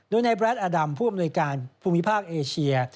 โดยในแรดอดัมผู้อำนวยการภูมิภาคเอเชีย